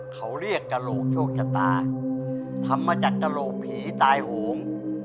เขาเรียกกระโหลกโชคชะตาทำมาจากกระโหลกผีตายโหง